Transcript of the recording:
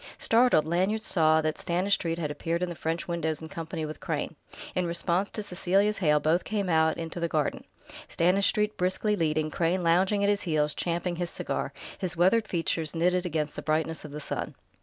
Startled, Lanyard saw that Stanistreet had appeared in the French windows in company with Crane. In response to Cecelia's hail both came out into the garden, Stanistreet briskly leading, Crane lounging at his heels, champing his cigar, his weathered features knitted against the brightness of the sun.